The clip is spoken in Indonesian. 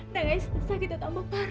dengan sakitnya parah